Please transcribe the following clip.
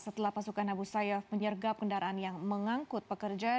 setelah pasukan abu sayyaf menyergap kendaraan yang mengangkut pekerja